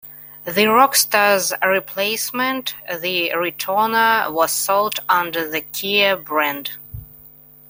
The Rocsta's replacement, the Retona, was sold under the Kia brand.